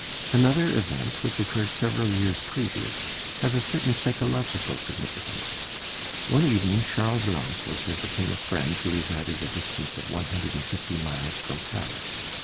Another event, which occurred several years previous, has a certain psychological significance. One evening Charles Blanc was visiting a friend who resided a distance of one hundred and fifty miles from Paris.